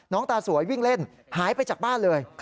ตาสวยวิ่งเล่นหายไปจากบ้านเลย